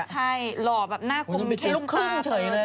ใช่หล่อแบบหน้าคมแค่ลูกครึ่งเฉยเลย